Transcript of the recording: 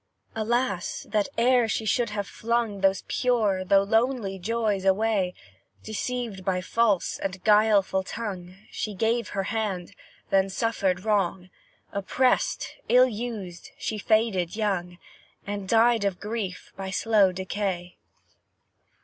Alas! that she should e'er have flung Those pure, though lonely joys away Deceived by false and guileful tongue, She gave her hand, then suffered wrong; Oppressed, ill used, she faded young, And died of grief by slow decay.